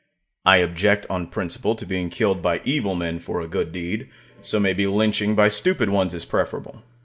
I object on principle to being killed by evil men for a good deed, so maybe lynching by stupid ones is preferable.